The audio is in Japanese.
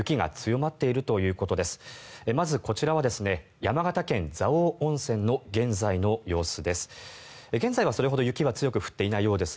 まずこちらは山形県・蔵王温泉の現在の様子です。